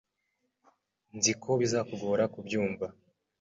Nzi ko bizakugora kubyumva.